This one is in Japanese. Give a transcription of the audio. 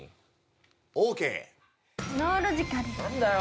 オーケー。